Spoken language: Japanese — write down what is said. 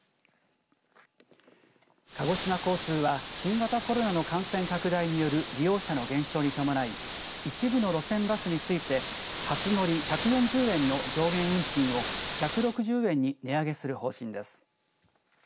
鹿児島交通は新型コロナの感染拡大による利用者の減少に伴い一部の路線バスについて初乗り１４０円の上限運賃を１６０円に値上げする方針です。